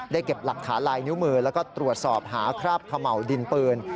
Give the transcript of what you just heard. เก็บหลักฐานลายนิ้วมือแล้วก็ตรวจสอบหาคราบเขม่าวดินปืน